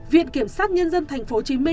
viện kiểm sát nhân dân tp hcm